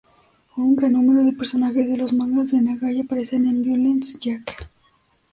Un gran número de personajes de los mangas de Nagai aparecen en "Violence Jack".